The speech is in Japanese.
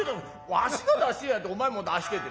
わしが出してんやったらお前も出してて。